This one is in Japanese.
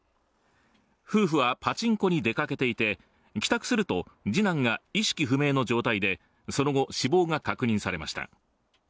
夫婦はパチンコに出かけていて帰宅すると、次男が意識不明の状態で、その後、死亡が確認されました。